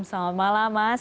selamat malam mas